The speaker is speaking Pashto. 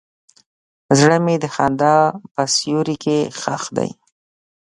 زړه مې د خندا په سیوري کې ښخ دی.